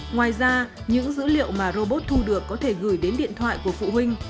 ngoài ra những dữ liệu mà robot thu được có thể gửi đến điện thoại của phụ huynh